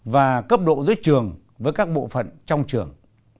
và cấp độ giữa trường với các bộ phận trong trường